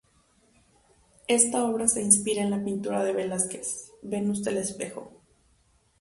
Esta obra se inspira en la pintura de Velázquez "Venus del espejo".